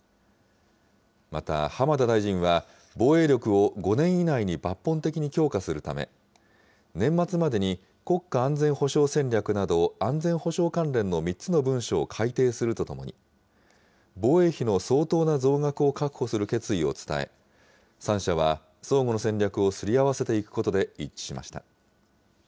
また、浜田大臣は、防衛力を５年以内に抜本的に強化するため、年末までに国家安全保障戦略など安全保障関連の３つの文書を改定するとともに、防衛費の相当な増額を確保する決意を伝え、３者は相互の戦略をすり合わせていくことで一致しました。